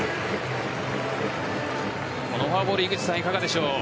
このフォアボールいかがでしょうか？